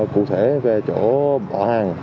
cụ thể về chỗ bỏ hàng